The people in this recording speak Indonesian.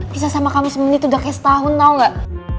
bisa sama kamu semenit udah kayak setahun tau gak